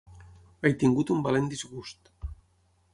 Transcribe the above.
He tingut un valent disgust.